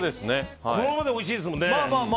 このままでおいしいですもんね。